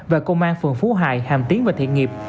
và công an phường phú hài hàm tiến và thiện nghiệp